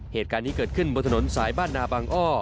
เหตุการณ์นี้เกิดขึ้นบนถนนสายบ้านนาบางอ้อ